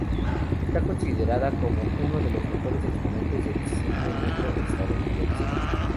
Está considerada como uno de los mejores exponentes del cine negro estadounidense.